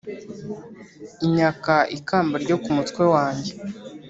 inyaka ikamba ryo ku mutwe wanjye